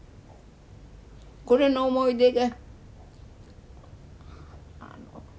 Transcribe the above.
これの思い出が。